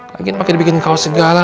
lagi pakai dibikin kaos segala